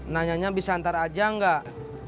nanyanya bisa antar aja gak